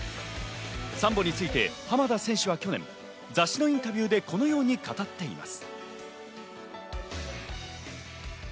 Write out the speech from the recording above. サンボについて浜田選手は去年、雑誌のインタビューでこのように語っています。